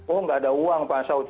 oh nggak ada uang pak saud